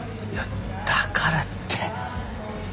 いやだからって。